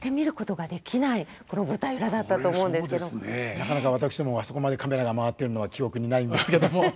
なかなか私どもはあそこまでカメラが回ってるのは記憶にないんですけども。